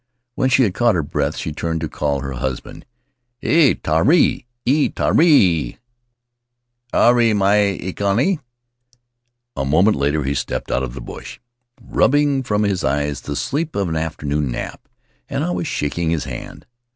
When she had caught her breath she turned to call her husband: "E Tari! E Tari el Aere mai ikonei!" A moment later he stepped out of the bush, rubbing from his eyes the sleep of an afternoon nap, and I was shaking his hand.